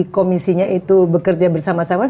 komisinya itu bekerja bersama sama